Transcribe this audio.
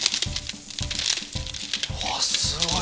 あっすごい！